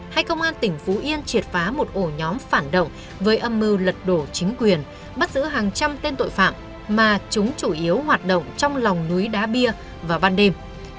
hay công an tỉnh phú yên triệt phá một ổ nhóm phản động với âm mưu lật đổ chính quyền bắt giữ hàng trăm tên tội phạm mà chúng chủ yếu hoạt động trong lòng núi đá bia vào ban đêm